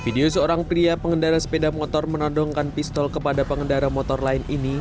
video seorang pria pengendara sepeda motor menodongkan pistol kepada pengendara motor lain ini